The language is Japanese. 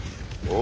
お！